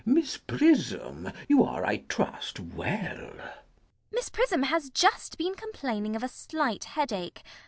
Miss Prism, you are, I trust, well? CECILY. Miss Prism has just been complaining of a slight headache.